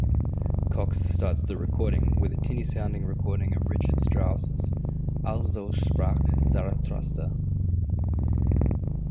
Cox starts the record with a tinny-sounding recording of Richard Strauss' "Also Sprach Zarathustra".